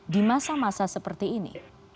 di masa masa seperti ini